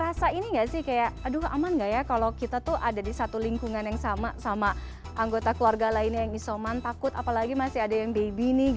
asa ini ngasih kayak aduh aman nggak ya kalau kita tuh ada di satu lingkungan yang sama sama anggota keluarga lainnya yang nih bonds takut apalagi masih ada yang growing